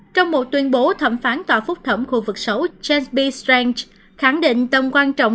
trong một tuyên bố thẩm phán tòa phúc thẩm khu vực sáu james b strange khẳng định tầm quan trọng